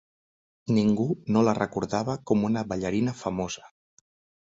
Ningú no la recordava com una ballarina famosa.